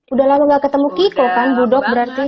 udah lama gak ketemu kiko kan bu dok berarti